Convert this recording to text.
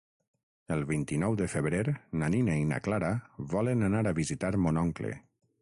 El vint-i-nou de febrer na Nina i na Clara volen anar a visitar mon oncle.